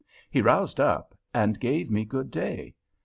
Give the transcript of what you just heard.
He roused up, and gave me good day.